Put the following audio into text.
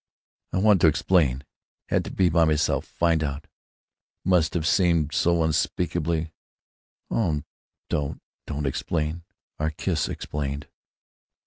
"I want to explain. Had to be by myself; find out. Must have seemed so unspeakably r——" "Oh, don't, don't explain! Our kiss explained."